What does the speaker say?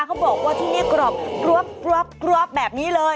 เขาบอกว่าที่นี่กรอบแบบนี้เลย